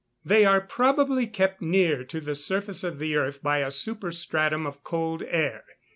_ They are probably kept near to the surface of the earth by a superstratum of cold air.